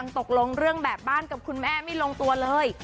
ตกลงเรื่องแบบบ้านกับคุณแม่ไม่ลงตัวเลย